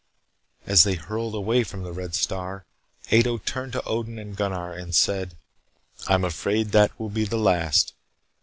As they hurled away from the red star, Ato turned to Odin and Gunnar and said: "I'm afraid that will be the last.